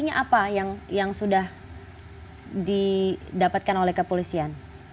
ini apa yang sudah didapatkan oleh kepolisian